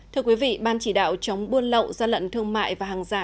thưa quý vị ban chỉ đạo chống buôn lậu gian lận thương mại và hàng giả